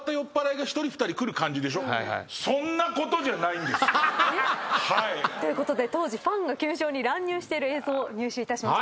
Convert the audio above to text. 来る感じでしょ？ということで当時ファンが球場に乱入している映像を入手いたしました。